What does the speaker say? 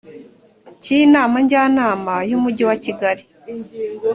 cy inama njyanama y umujyi wa kigali